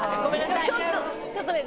ちょっとね。